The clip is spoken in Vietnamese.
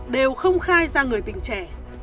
đều không khai ra người tình trẻ